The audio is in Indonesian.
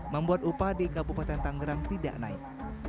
membuat upah di kabupaten tanggerang tidak naik